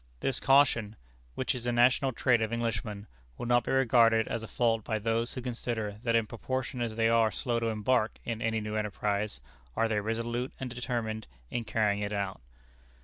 This caution, which is a national trait of Englishmen, will not be regarded as a fault by those who consider that in proportion as they are slow to embark in any new enterprise, are they resolute and determined in carrying it out.